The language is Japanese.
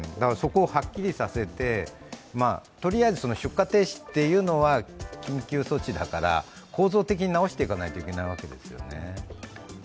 そこをはっきりさせて、とりあえず出荷停止というのは緊急措置だから構造的に直していかないといけないわけですよね。